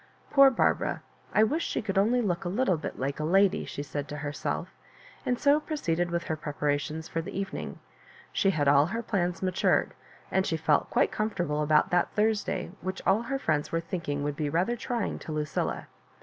"Poor Barbara I I wish she could only look a little bit like a lady," she said to herself; and so proceeded with her pre parations for the evening. She had all her plans matured, and she felt quite comfortable about that Thursday which all her friends were think ing would be rather trying to Lucilla.